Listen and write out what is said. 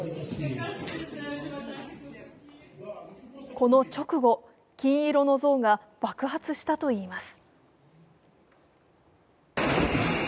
この直後、金色の像が爆発したといいます。